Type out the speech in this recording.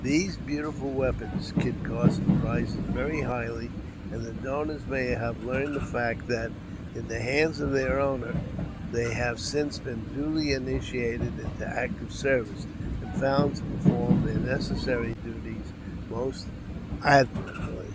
These beautiful weapons, Kit Carson prizes very highly; and, the donors may here learn the fact that, in the hands of their owner, they have since been duly initiated into active service, and found to perform their necessary duties most admirably.